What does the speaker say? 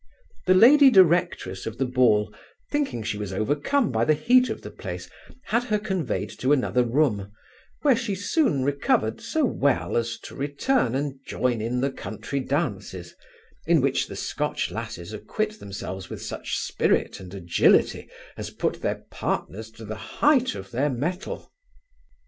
The lady directress of the ball, thinking she was overcome by the heat of the place, had her conveyed to another room, where she soon recovered so well, as to return and join in the country dances, in which the Scotch lasses acquit themselves with such spirit and agility, as put their partners to the height of their mettle.